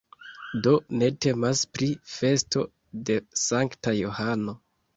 Do ne temas pri festo de Sankta Johano.